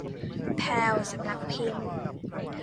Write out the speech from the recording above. แพรวสำนักพิมพ์